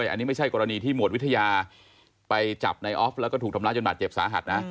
อันนี้ไม่ใช่กรณีที่หมวดวิทยาไปจับในออฟแล้วก็ถูกทำร้ายจนบาดเจ็บสาหัสนะ